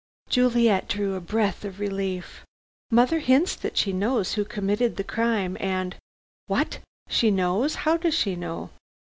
Juliet drew a breath of relief. "Mother hints that she knows who committed the crime, and " "What! She knows. How does she know?"